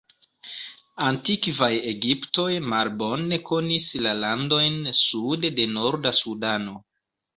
Antikvaj Egiptoj malbone konis la landojn sude de norda Sudano.